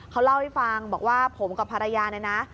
เขาเล่าให้ฟังบอกว่าผมกับภรรยาเนี่ยนะ